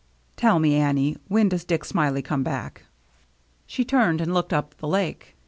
" Tell me, Annie, when does Dick Smiley come back ?" She turned and looked up the Lake.